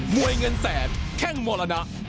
วยเงินแสนแข้งมรณะ